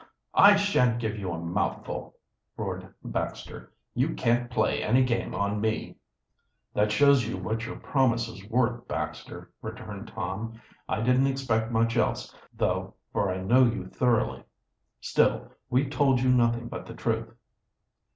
"I shan't give you a mouthful!" roared Baxter. "You can't play any game on me." "That shows what your promise is worth, Baxter," returned Tom. "I didn't expect much else, though, for I know you thoroughly. Still, we told you nothing but the truth."